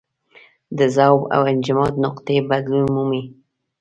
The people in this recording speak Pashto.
د ذوب او انجماد نقطې بدلون مومي.